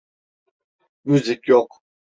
Müzik yok.